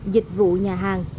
dịch vụ nhà hàng